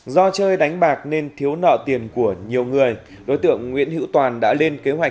do chơi đánh bạc nên thiếu nợ tiền của nhiều người đối tượng nguyễn hữu toàn đã lên kế hoạch